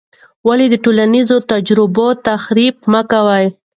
ولې د ټولنیزو تجربو تحریف مه کوې؟